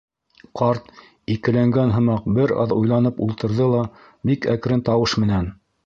Ҡарт, икеләнгән һымаҡ, бер аҙ уйланып ултырҙы ла бик әкрен тауыш менән: